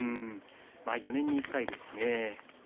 ４年に１回ですしね。